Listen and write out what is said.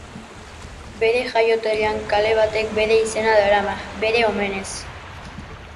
Bere jaioterrian kale batek bere izena darama, bere omenez.